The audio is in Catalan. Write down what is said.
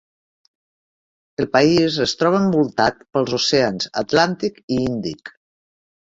El país es troba envoltat pels oceans Atlàntic i Índic.